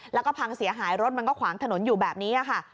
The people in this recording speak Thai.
แล้วก็พังเสียหายรถมันก็ขวางถนนอยู่แบบนี้ค่ะ